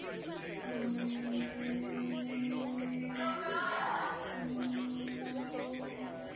Tsentralny is the nearest rural locality.